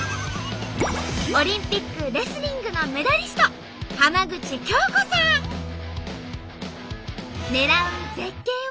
オリンピックレスリングのメダリスト狙う絶景は。